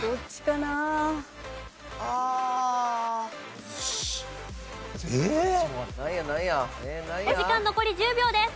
お時間残り１０秒です。